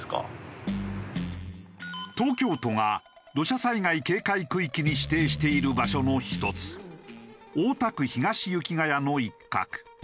東京都が土砂災害警戒区域に指定している場所の１つ大田区東雪谷の一角。